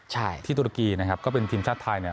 ใช่ที่ตุรกีนะครับก็เป็นทีมชาติไทยเนี่ย